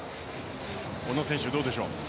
小野選手、どうでしょう？